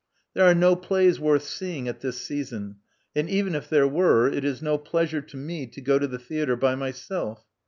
There are no plays worth seeing at this season: and even if there were, it is no pleasure to me to go to the theatre by myself.